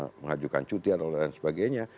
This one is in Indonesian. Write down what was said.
harus mengajukan cuti dan sebagainya